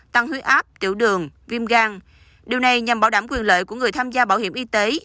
tăng huyết áp tiểu đường viêm gan điều này nhằm bảo đảm quyền lợi của người tham gia bảo hiểm y tế